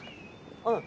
うん。